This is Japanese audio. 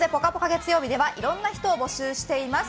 月曜日ではいろんな人を募集しております。